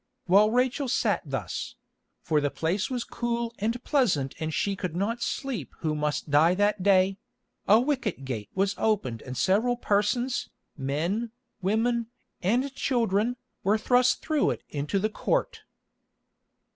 While Rachel sat thus—for the place was cool and pleasant and she could not sleep who must die that day—a wicket gate was opened and several persons, men, women, and children, were thrust through it into the court.